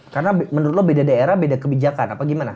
karena menurut lo beda daerah beda kebijakan apa gimana